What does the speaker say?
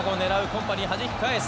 コンパニーはじき返す。